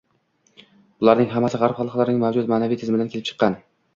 – bularning hammasi g‘arb xalqlarining mavjud ma’naviy tizimidan kelib chiqqan